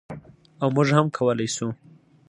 او موږ هم کولی شو.